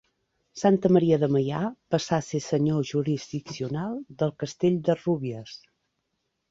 Santa Maria de Meià passà a ser senyor jurisdiccional del castell de Rúbies.